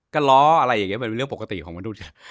ก็ล้ออะไรอย่างนี้มันเป็นเรื่องปกติของมนุษย์